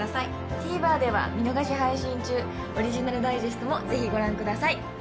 ＴＶｅｒでは見逃し配信中オリジナルダイジェストもぜひご覧ください